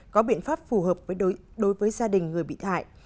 có biện pháp phù hợp đối với gia đình người bị hại